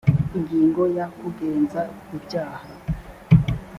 ingingo ya kugenza ibyaha